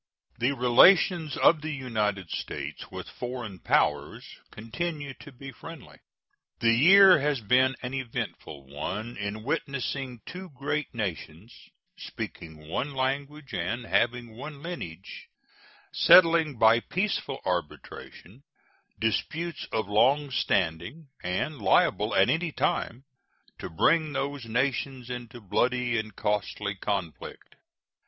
The relations of the United States with foreign powers continue to be friendly. The year has been an eventful one in witnessing two great nations, speaking one language and having one lineage, settling by peaceful arbitration disputes of long standing and liable at any time to bring those nations into bloody and costly conflict.